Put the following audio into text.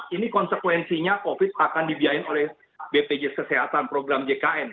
ini konsekuensinya covid akan dibiayain oleh bpjs kesehatan program jkn